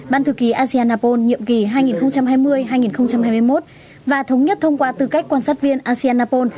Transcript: ban thư ký aseanapo nhiệm kỳ hai nghìn hai mươi hai nghìn hai mươi một và thống nhất thông qua tư cách quan sát viên aseanapo